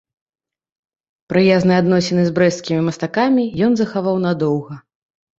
Прыязныя адносіны з брэсцкімі мастакамі ён захаваў надоўга.